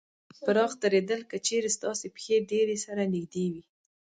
پراخ درېدل : که چېرې ستاسې پښې ډېرې سره نږدې وي